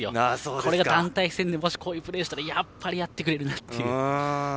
これが団体戦でこういうプレーをしたらやっぱり、やってくれるなって。